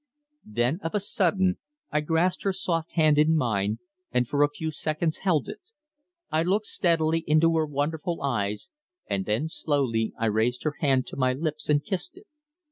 Then, of a sudden, I grasped her soft hand in mine and for a few seconds held it. I looked steadily into her wonderful eyes, and then slowly I raised her hand to my lips and kissed it.